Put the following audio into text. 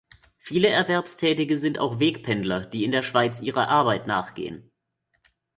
Viele Erwerbstätige sind auch Wegpendler, die in der Schweiz ihrer Arbeit nachgehen.